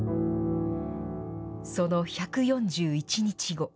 その１４１日後。